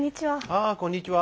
ああこんにちは。